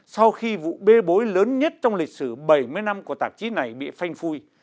sau khi vụ bê bối lớn nhất trong lịch sử bảy mươi năm của tạp chí này bị phanh phui